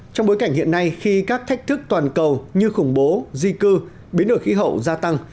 trong bối cảnh hiện nay khi các thách thức toàn cầu như khủng bố di cư biến đổi khí hậu gia tăng